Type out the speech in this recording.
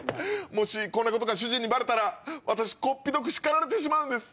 こんなことが主人にバレたらこっぴどく叱られてしまうんです。